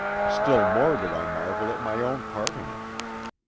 Still more do I marvel at my own part in it.